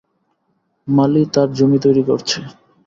মালী তার জমি তৈরী করছে।